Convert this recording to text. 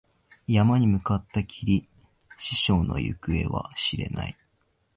山に向かったきり、師匠の行方は知れない。